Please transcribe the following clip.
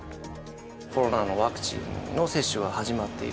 コロナのワクチンの接種が始まっている。